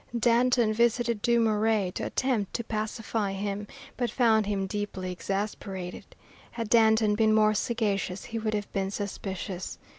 Danton visited Dumouriez to attempt to pacify him, but found him deeply exasperated. Had Danton been more sagacious he would have been suspicious.